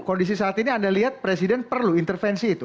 kondisi saat ini anda lihat presiden perlu intervensi itu